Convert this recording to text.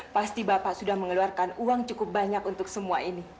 pasti bapak sudah mengeluarkan uang cukup banyak untuk semua ini